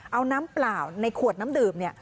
เอาน้ำเปล่าในขวดน้ำดื่มเนี่ย